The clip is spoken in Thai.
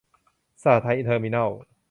สหไทย เทอร์มินอล